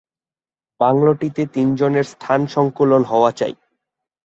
বাংলোটিতে তিনজনের স্থান-সঙ্কুলান হওয়া চাই।